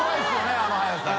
あの速さね。